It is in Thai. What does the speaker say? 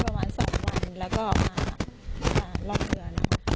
ประมาณสองวันแล้วก็ออกมาค่ะรอบเรือ